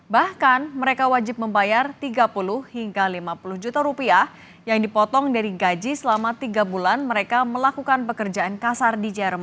bahkan mereka wajib membayar tiga puluh hingga lima puluh juta rupiah yang dipotong dari gaji selama tiga bulan mereka melakukan pekerjaan kasar di jerem